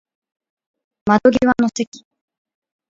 窓際の席